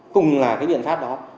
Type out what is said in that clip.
cùng là cái điện tháp đó